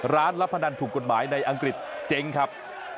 รับพนันถูกกฎหมายในอังกฤษเจ๊งครับ